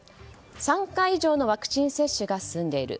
３回以上のワクチン接種が済んでいる。